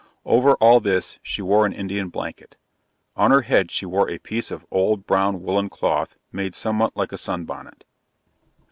Over all this, she wore an Indian blanket. On her head she wore a piece of old brown woollen cloth made somewhat like a sun bonnet.